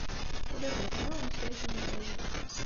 Ula d nekkni ur nesɛi timellalin.